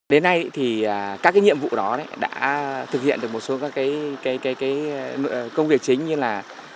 đến nay các nhiệm vụ đó đã thực hiện được một số công việc chính như là